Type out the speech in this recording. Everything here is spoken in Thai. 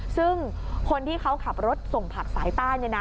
ซึ่งคนที่เขาขับรถส่งผักสายใต้